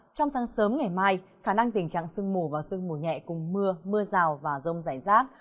trong sáng sớm ngày mai khả năng tình trạng sương mù và sương mù nhẹ cùng mưa mưa rào và rông rải rác